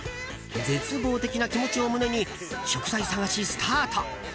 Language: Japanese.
絶望的な気持ちを胸に食材探しスタート。